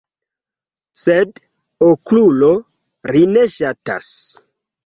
Sed Okrulo, ri ne ŝatas.